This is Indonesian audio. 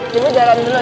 jualan dulu ya